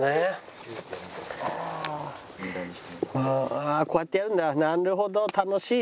ああこうやってやるんだ。